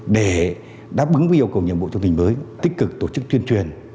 để đáp ứng với yêu cầu nhiệm vụ trong tình hình mới tích cực tổ chức tuyên truyền